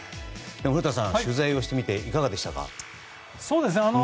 古田さん、取材をしてみていかがでしたか？